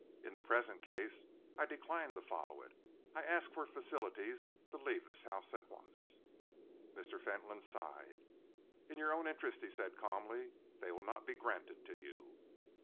"In the present case I decline to follow it. I ask for facilities to leave this house at once." Mr. Fentolin sighed. "In your own interests," he said calmly, "they will not be granted to you."